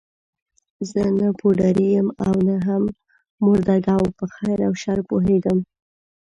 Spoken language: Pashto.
زه نه پوډري یم او نه هم مرده ګو، په خیر او شر پوهېږم.